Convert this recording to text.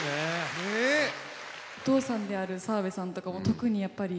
お父さんである澤部さんとかは特にやっぱり。